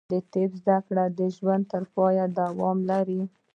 د طب زده کړه د ژوند تر پایه دوام لري.